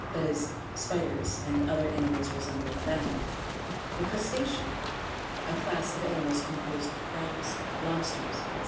(that is spiders, and other animals resembling them,) the Crustacea, (a class of animals composed of crabs, lobsters, &c.)